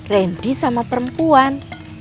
randy sama perempuan